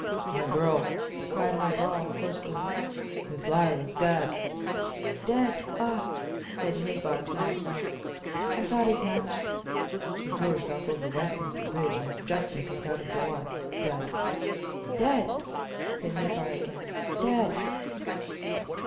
"My girl," cried Horval, hoarsely, "Miss Lyle is dead!" "Dead? Ah!" said Hagar to herself. "I thought as much." "She threw herself over Westminster Bridge, and has just been picked out of the water—dead!" "Dead!" said Hagar again. "Dead!"